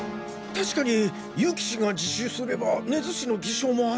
確かに結城氏が自首すれば根津氏の偽証も明らかに。